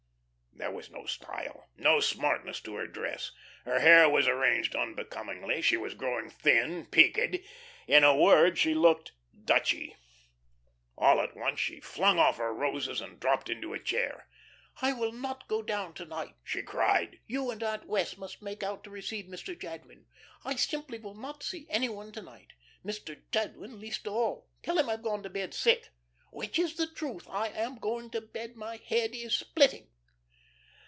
There was no style, no smartness to her dress; her hair was arranged unbecomingly; she was growing thin, peaked. In a word, she looked "Dutchy." All at once she flung off her roses and dropped into a chair. "I will not go down to night," she cried. "You and Aunt Wess' must make out to receive Mr. Jadwin. I simply will not see any one to night, Mr. Jadwin least of all. Tell him I'm gone to bed sick which is the truth, I am going to bed, my head is splitting."